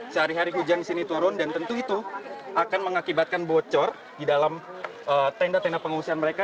sehari hari hujan di sini turun dan tentu itu akan mengakibatkan bocor di dalam tenda tenda pengungsian mereka